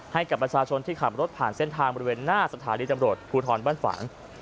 ให้กับประชาชนที่ขับรถผ่านเส้นทางบริเวณหน้าสถานีตำรวจภูทรบ้านฝัง